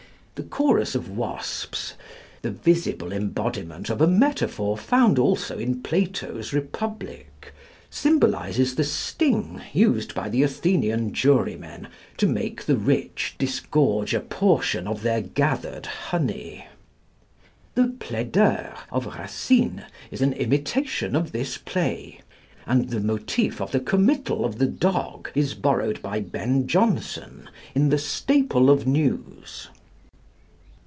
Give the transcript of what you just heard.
The chorus of Wasps, the visible embodiment of a metaphor found also in Plato's 'Republic,' symbolizes the sting used by the Athenian jurymen to make the rich disgorge a portion of their gathered honey. The 'Plaideurs' of Racine is an imitation of this play; and the motif of the committal of the dog is borrowed by Ben Jonson in the 'Staple of News.'